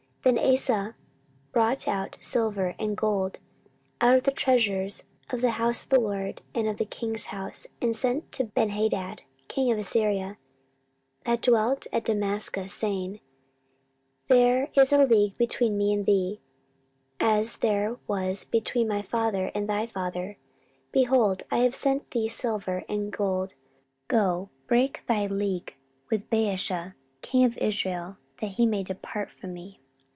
14:016:002 Then Asa brought out silver and gold out of the treasures of the house of the LORD and of the king's house, and sent to Benhadad king of Syria, that dwelt at Damascus, saying, 14:016:003 There is a league between me and thee, as there was between my father and thy father: behold, I have sent thee silver and gold; go, break thy league with Baasha king of Israel, that he may depart from me.